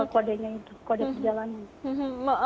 kodenya itu kode perjalanan